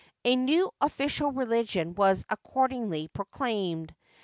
A new official religion was accordingly proclaimed.